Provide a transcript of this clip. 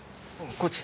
こっち。